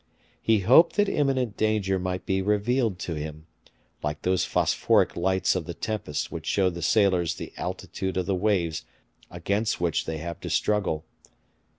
He hoped that imminent danger might be revealed to him, like those phosphoric lights of the tempest which show the sailors the altitude of the waves against which they have to struggle.